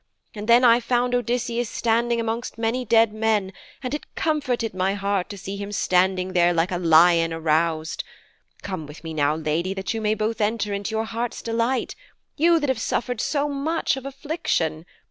And then I found Odysseus standing amongst many dead men, and it comforted my heart to see him standing there like a lion aroused. Come with me now, lady, that you may both enter into your heart's delight you that have suffered so much of affliction.